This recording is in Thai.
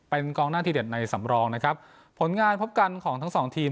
เป็นกองหน้าที่เด็ดในสำรองนะครับผลงานพบกันของทั้งสองทีม